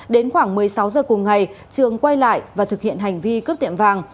đến khoảng một mươi sáu giờ cùng ngày trường quay lại và thực hiện hành vi cướp tiệm vàng